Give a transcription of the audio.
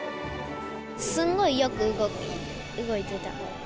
すごいよく動く、動いてた。